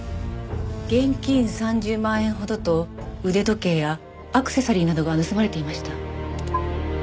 現金３０万円ほどと腕時計やアクセサリーなどが盗まれていました。